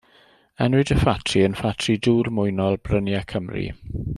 Enwyd y ffatri yn Ffatri Dŵr Mwynol Bryniau Cymru.